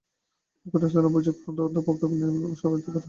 তিনি ঘটনাস্থল, অভিযোগ তদন্ত ও পদক্ষেপ নেওয়ার ক্ষেত্রে উমরের সহায়তা করতেন।